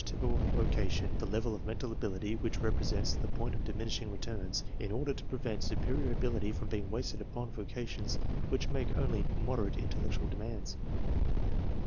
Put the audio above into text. typical vocation the level of mental ability which rep resents the " point of diminishing returns," in order to prevent superior ability from being wasted upon voca TESTS AND VOCATIONAL GUIDANCE 271 tions which make only moderate intellectual demands.